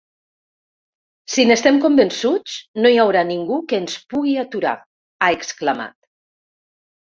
Si n’estem convençuts, no hi haurà ningú que ens pugui aturar –ha exclamat–.